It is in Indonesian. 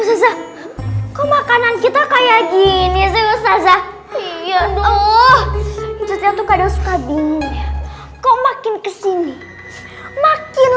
usaha kau makanan kita kayak gini susah ya udah tuh kadang suka bingung kok makin kesini makin